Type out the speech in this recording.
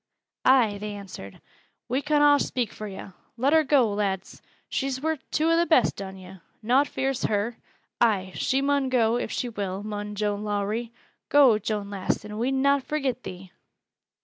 "Ay," they answered, "we con aw speak fur yo'. Let her go, lads! She's worth two o' th' best on yo'. Nowt fears her. Ay, she mun go, if she will, mun Joan Lowrie! Go, Joan lass, and we'n not forget thee!"